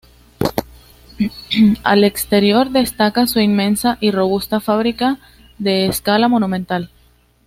Al exterior destaca su inmensa y robusta fábrica, de escala monumental.